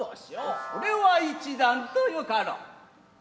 それは一段とよかろう。